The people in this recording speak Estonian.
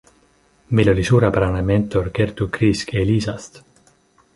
Meil oli suurepärane mentor Kertu Kriisk Elisast.